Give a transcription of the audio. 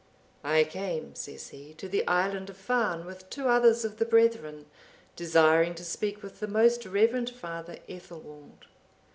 "I came," says he, "to the island of Farne, with two others of the brethren, desiring to speak with the most reverend father, Ethelwald.